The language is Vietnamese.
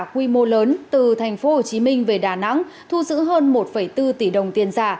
quy mô lớn từ thành phố hồ chí minh về đà nẵng thu giữ hơn một bốn tỷ đồng tiền giả